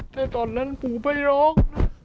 แต่ตอนนั้นปู่ไปร้อง